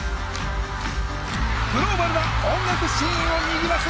グローバルな音楽シーンをにぎわす